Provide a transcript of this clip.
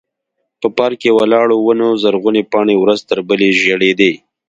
په پارک کې ولاړو ونو زرغونې پاڼې ورځ تر بلې ژړېدې.